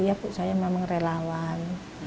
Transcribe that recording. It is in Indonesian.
iya bu saya memang relawan